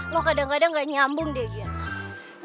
lo kadang kadang gak nyambung deh gin